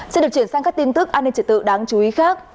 sẽ được chuyển sang các tin tức an ninh trị tự đáng chú ý khác